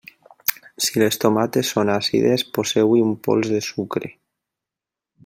Si les tomates són àcides, poseu-hi un pols de sucre.